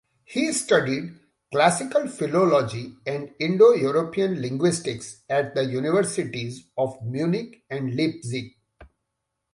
He studied Classical Philology and Indo-European linguistics at the Universities of Munich and Leipzig.